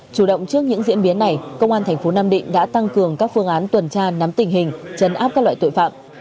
chủ động trước những diễn biến này công an thành phố nam định đã tăng cường các phương án tuần tra nắm tình hình chấn áp các loại tội phạm